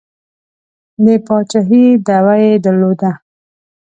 د پاچهي دعوه یې درلوده.